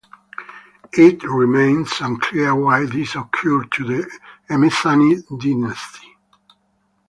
It remains unclear why this occurred to the Emesani dynasty.